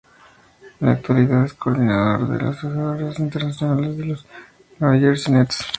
En la actualidad es coordinador de los ojeadores internacionales de los New Jersey Nets.